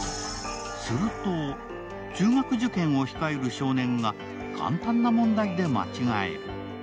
すると、中学受験を控える少年が簡単な問題で間違える。